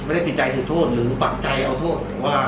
แม้ไม่ได้จิตใจถือโทษหรือปักใจเอาโทษ